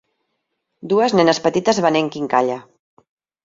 Dues nenes petites venent quincalla.